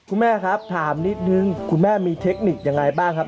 คุณแม่ครับถามนิดนึงคุณแม่มีเทคนิคยังไงบ้างครับ